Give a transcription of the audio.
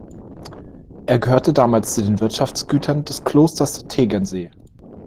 Er gehörte damals zu den Wirtschaftsgütern des Klosters Tegernsee.